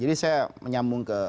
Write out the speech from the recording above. jadi saya menyambung ke